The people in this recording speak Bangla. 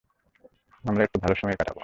আমরা একটু ভালো সময় কাটাবো।